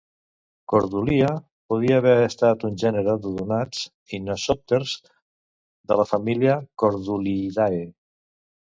Cordulia podria haver estat un gènere d'odonats anisòpters de la família Corduliidae.